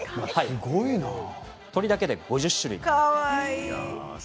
鳥だけで５０種類？